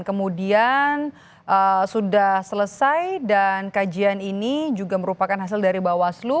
kemudian sudah selesai dan kajian ini juga merupakan hasil dari bawaslu